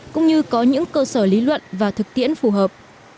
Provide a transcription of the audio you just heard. cũng như có những cơ sở lý luận và thực tiễn phù hợp